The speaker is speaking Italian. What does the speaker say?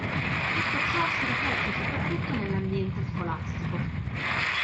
Tutto ciò si riflette soprattutto nell'ambiente scolastico.